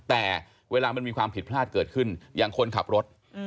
แต่เวลามันมีความผิดพลาดเกิดขึ้นอย่างคนขับรถ